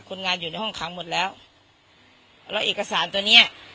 คนงานอยู่ในห้องขังหมดแล้วแล้วเอกสารตัวเนี้ย